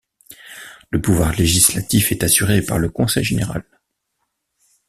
Le pouvoir législatif est assuré par le Conseil général.